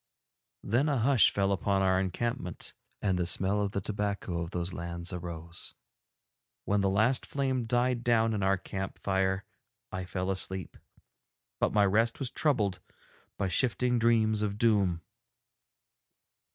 Then a hush fell upon our encampment, and the smell of the tobacco of those lands arose. When the last flame died down in our camp fire I fell asleep, but my rest was troubled by shifting dreams of doom.